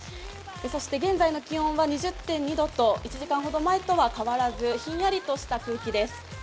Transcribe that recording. そして現在の気温は２０．２度と１時間ほど前とは変わらずひんやりとした空気です。